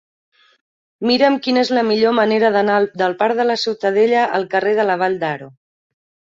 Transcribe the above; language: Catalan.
Mira'm quina és la millor manera d'anar del parc de la Ciutadella al carrer de la Vall d'Aro.